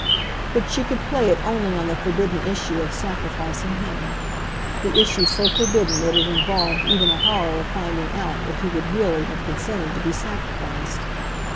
But she could play it only on the forbidden issue of sacrificing him; the issue so forbidden that it involved even a horror of finding out if he would really have consented to be sacrificed.